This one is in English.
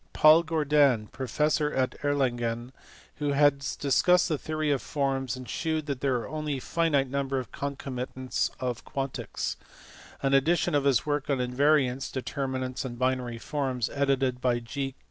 Paid Gordan, professor at Erlangen, who has discussed the theory of forms, and shewn that there are only a finite number of concomitants of quantics : an edition of his work on invariants (determinants and binary forms) edited by G.